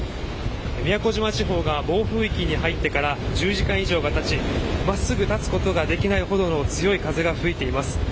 宮古島地方が暴風域に入ってから１０時間以上が経ち真っすぐ立つことができないほどの強い風が吹いています。